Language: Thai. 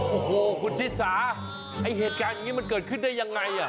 โอ้โหคุณชิสาไอ้เหตุการณ์อย่างนี้มันเกิดขึ้นได้ยังไง